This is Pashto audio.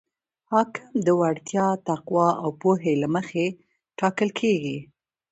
حاکم د وړتیا، تقوا او پوهې له مخې ټاکل کیږي.